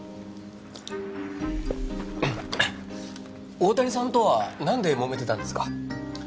大谷さんとはなんで揉めてたんですか？